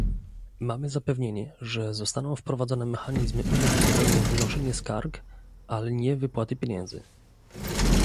Mamy zapewnienie, że zostaną wprowadzone mechanizmy umożliwiające wnoszenie skarg, ale nie wypłaty pieniędzy